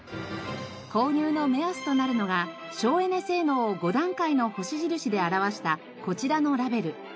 購入の目安となるのが省エネ性能を５段階の星印で表したこちらのラベル。